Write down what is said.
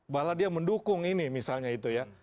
malah dia mendukung ini misalnya itu ya